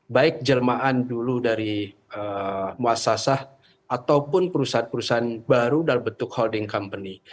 baik jelmaan dulu dari muasasah ataupun perusahaan perusahaan baru dalam bentuk holding company